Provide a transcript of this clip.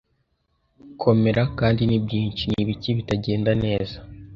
komera, kandi ni byinshi, ni ibiki bitagenda neza? ”